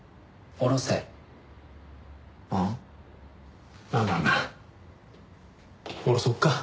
下ろそっか。